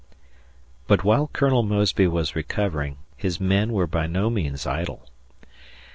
But while Colonel Mosby was recovering his men were by no means idle.